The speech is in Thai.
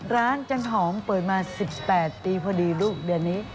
ร้านจันทร์หอมเปิดมา๑๘ตีพอดีลูกเดือนนี้